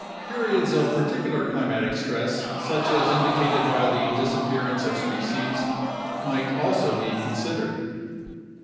Periods of particular climatic stress such as indicated by the disappearance of species might also be considered.